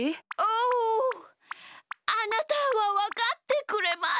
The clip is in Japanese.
おおあなたはわかってくれますか？